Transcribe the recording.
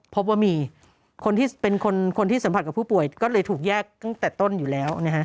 พบว่ามีคนที่เป็นคนที่สัมผัสกับผู้ป่วยก็เลยถูกแยกตั้งแต่ต้นอยู่แล้วนะฮะ